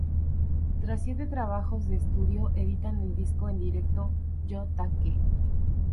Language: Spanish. Tras siete trabajos de estudio editan el disco en directo "Jo ta Ke".